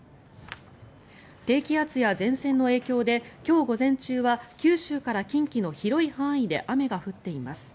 低気圧や前線の影響で今日午前中は九州から近畿の広い範囲で雨が降っています。